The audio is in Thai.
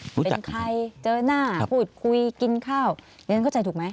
เป็นใครเจอหน้าพูดคุยกินข้าวเรียนเข้าใจถูกไหม